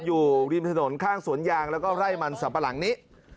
อยู่ริมถนนข้างสวนยางแล้วก็ไร่มันสัมปะหลังนี้